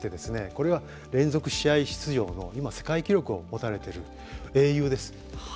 これは連続試合出場の今、世界記録を持たれている英雄です。